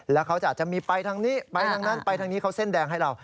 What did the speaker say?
แล้วเขาอาจจะมีไปทางนี้ไปทางนั้นไปทางนี้เขาเส้นแดงให้เรา